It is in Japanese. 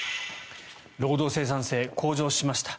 労働生産性、向上しました。